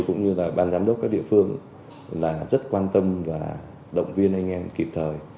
cũng như là ban giám đốc các địa phương là rất quan tâm và động viên anh em kịp thời